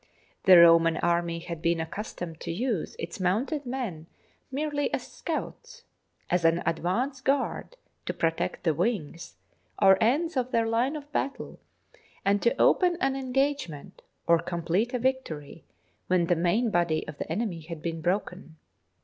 The Roman army had been accus tomed to use its mounted men merely as scouts, as an advance guard to protect the wings, or ends of their line of battle, and to open an engagement or complete a victory when the main body of the enemy had been broken.